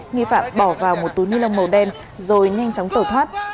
nghi phạm bỏ vào một túi ni lông màu đen rồi nhanh chóng tẩu thoát